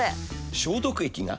消毒液が。